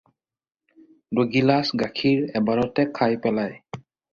দুগিলাচ গাখীৰ এবাৰতে খাই পেলায়।